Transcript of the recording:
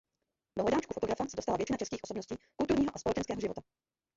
Do hledáčku fotografa se dostala většina českých osobností kulturního a společenského života.